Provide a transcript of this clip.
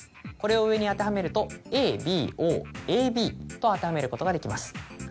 これを上に当てはめると「ＡＢＯＡＢ」と当てはめることができます。